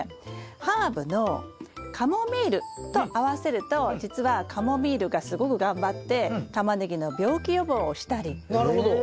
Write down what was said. ハーブのカモミールと合わせるとじつはカモミールがすごく頑張ってタマネギの病気予防をしたりへえ。